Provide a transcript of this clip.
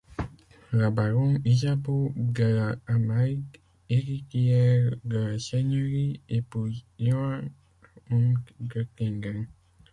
La baronne Isabeau de La Hamayde, héritière de la seigneurie, épouse Johann, comte d'Oettingen.